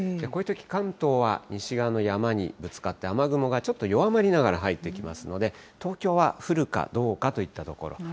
こういうとき、関東は西側の山にぶつかって雨雲がちょっと弱まりながら入ってきますので、東京は降るかどうかといったところ。